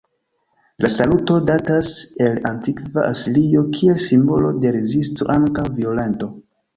La saluto datas el antikva Asirio kiel simbolo de rezisto antaŭ violento.